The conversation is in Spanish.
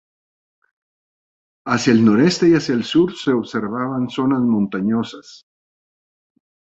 Hacia el noreste y hacia el sur se observaban zonas montañosas.